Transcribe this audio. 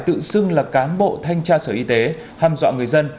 tự xưng là cán bộ thanh tra sở y tế hàm dọa người dân